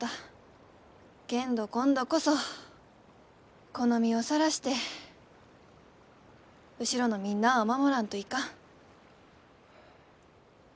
けんど今度こそこの身をさらして後ろのみんなあを守らんといかん。